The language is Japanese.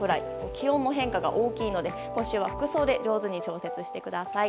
気温の変化が大きいので今週は服装で上手に調節してください。